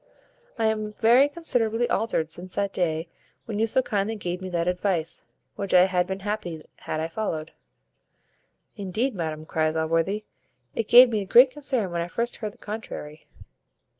I am very considerably altered since that day when you so kindly gave me that advice, which I had been happy had I followed." "Indeed, madam," cries Allworthy, "it gave me great concern when I first heard the contrary."